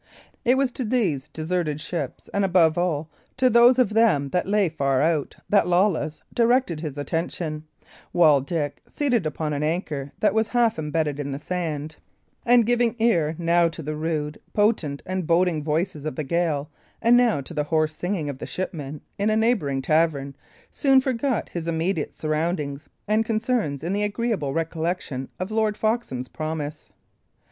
It was to these deserted ships, and, above all, to those of them that lay far out, that Lawless directed his attention; while Dick, seated upon an anchor that was half embedded in the sand, and giving ear, now to the rude, potent, and boding voices of the gale, and now to the hoarse singing of the shipmen in a neighbouring tavern, soon forgot his immediate surroundings and concerns in the agreeable recollection of Lord Foxham's promise.